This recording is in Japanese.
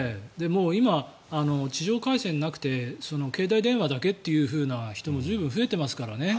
今、地上回線なくて携帯電話だけという人も随分増えていますからね。